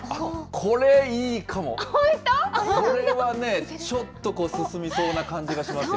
これはね、ちょっと進みそうな感じがしますよ。